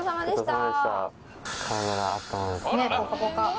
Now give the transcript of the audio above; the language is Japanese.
ねっポカポカ。